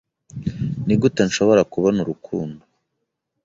Nigute nshobora kubona urukundo